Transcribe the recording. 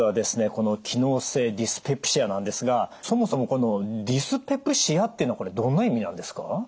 この機能性ディスペプシアなんですがそもそもこの「ディスペプシア」っていうのはこれどんな意味なんですか？